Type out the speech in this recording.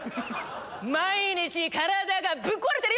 毎日体がぶっ壊れてるよ！